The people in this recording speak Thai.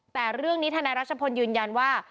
แต่เรื่องนี้ทนายรัชพลยืนยันว่า